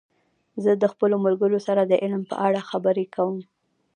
زه د خپلو ملګرو سره د علم په اړه خبرې کوم.